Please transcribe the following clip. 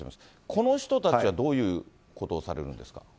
この人たちはどういうことをされるんですか。